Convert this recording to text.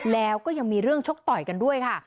แล้วก็ยังมีเรื่องชกต่อยกันด้วยค่ะ